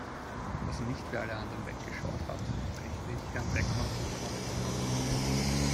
Dass er nicht wie alle anderen weggeschaut hat, rechne ich Herrn Beckmann hoch an.